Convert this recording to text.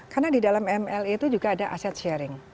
karena di dalam mla itu juga ada aset sharing